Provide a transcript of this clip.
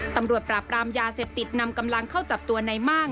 ตำรวจปราบรามยาเสพติดนำกำลังเข้าจับตัวในม่าง